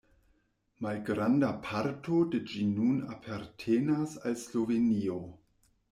Malgranda parto de ĝi nun apartenas al Slovenio.